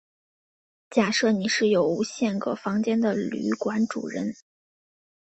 假设你是有无限个房间的旅馆主人。